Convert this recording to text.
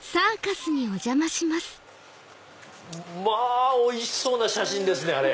まぁおいしそうな写真ですね。